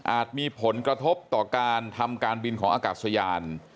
มีผลกระทบต่อการทำการบินของอากาศยาน